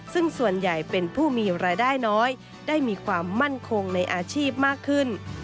ซึ่งส่วนใหญ่เป็นผู้มีรายได้น้อยได้มีความมั่นคงในอาชีพมากขึ้น